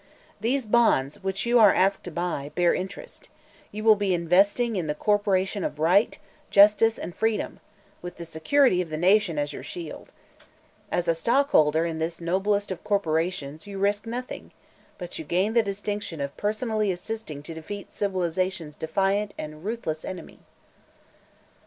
These bonds, which you are asked to buy, bear interest; you will be investing in the Corporation of Right, Justice and Freedom, with the security of the Nation as your shield. As a stockholder in this noblest of corporations you risk nothing, but you gain the distinction of personally assisting to defeat Civilization's defiant and ruthless enemy."